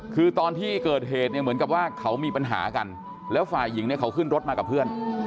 คือตอนที่เกิดเหตุเนี่ยเหมือนกับว่าเขามีปัญหากันแล้วฝ่ายหญิงเนี่ยเขาขึ้นรถมากับเพื่อน